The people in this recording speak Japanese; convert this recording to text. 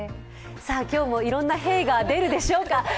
今日もいろんな「へぇ」が出るでしょうか。